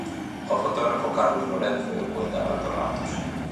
O fotógrafo Carlos Lorenzo e o poeta Baldo Ramos.